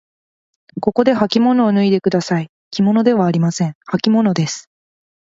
ここではきものを脱いでください。きものではありません。はきものです。